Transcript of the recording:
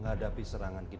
mamamu sudah tanya